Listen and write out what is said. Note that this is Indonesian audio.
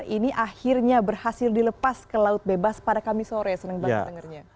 ini akhirnya berhasil dilepas ke laut bebas pada kamis sore senang banget dengarnya